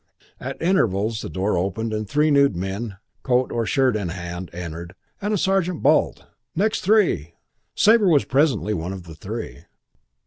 At intervals the door opened and three nude men, coat or shirt in hand, entered, and a sergeant bawled, "Next three!" Sabre was presently one of the three.